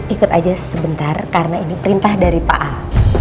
ikut aja sebentar karena ini perintah dari pak ahok